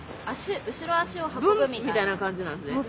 後ろ脚を運ぶみたいな感じなんですね。